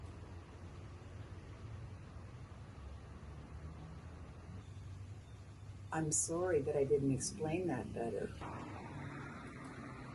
I'm sorry that I didn't explain that better.